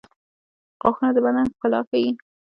• غاښونه د بدن ښکلا ښيي.